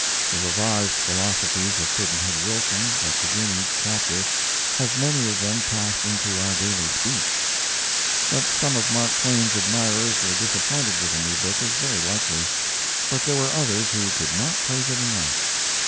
The revised philosophies of Pudd'nhead Wilson, that begin each chapter, have many of them passed into our daily speech. That some of Mark Twain's admirers were disappointed with the new book is very likely, but there were others who could not praise it enough.